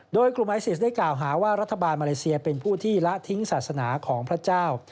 โดยกลุ่มไอซิสได้กล่าวหาว่ารัฐบาลมาเลเซียเป็นผู้ที่ละทิ้งศาสนาของพระเจ้า